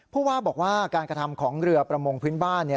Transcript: ผู้ว่าบอกว่าการกระทำของเรือประมงพื้นบ้าน